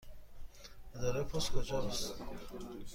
اداره پست کجا است؟